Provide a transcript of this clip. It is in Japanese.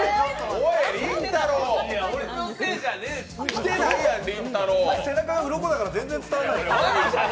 お前、背中がうろこだから全然伝わないんだよ。